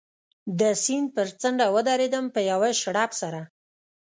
د سیند پر څنډه و درېدم، په یوه شړپ سره.